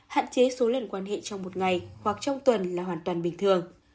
hạn chế số lần quan hệ trong một ngày hoặc trong tuần là hoàn toàn bình thường